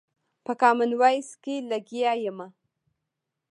په کامن وايس کښې لګيا ىمه